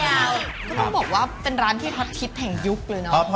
นายตอบคูณฟังกันเบียบเลย